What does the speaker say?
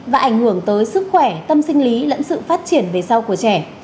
và ảnh hưởng tới sức khỏe tâm sinh lý lẫn sự phát triển về sau của trẻ